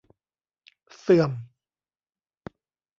เสื่อม